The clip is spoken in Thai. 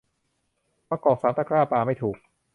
มะกอกสามตะกร้าปาไม่ถูก